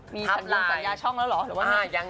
มีสัญญาช่องแล้วเหรอหรือว่าไง